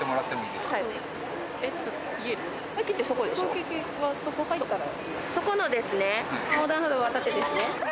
駅はそこ入ったら。